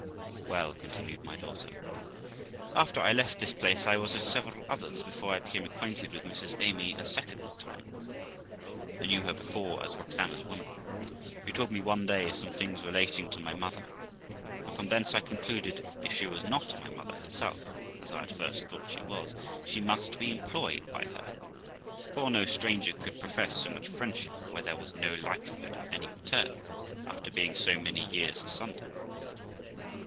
'Well', continued my daughter, 'after I left this place, I was at several others before I became acquainted with Mrs Amy a second time (I knew her before as Roxana's woman), wbo told me one day some things THE LIFE OF ROXANA 409 relating to my mother, and from thence I concluded, if she was not my mother herself ( as I at first thought she was ), she must be employed by her ; for no stranger could profess so much friendship, where there was no likelihood of any return, after being so many years asunder.